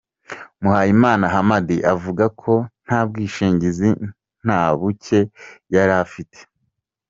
Muhayimana Hamad avuga ko nta bwishingizi na buke yari afite.